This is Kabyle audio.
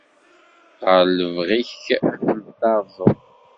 Ɣer lebɣi-k ad ten-tarzeḍ.